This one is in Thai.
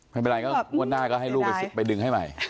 ไม่เป็นไรก็งวดหน้าก็ให้ลูกไปดึงให้ใหม่